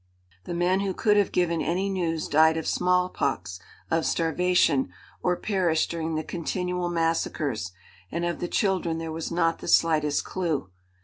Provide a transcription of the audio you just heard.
The men who could have given any news died of smallpox, of starvation, or perished during the continual massacres, and of the children there was not the slightest clue.